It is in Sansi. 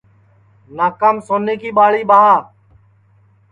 ناکام سونیں کی ٻاݪی ٻاہ